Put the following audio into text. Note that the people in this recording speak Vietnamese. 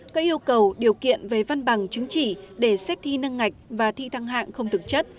các yêu cầu điều kiện về văn bằng chứng chỉ để xét thi nâng ngạch và thi thăng hạng không thực chất